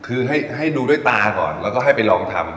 คือให้ดูด้วยตาก่อนแล้วก็ให้ไปลองทำ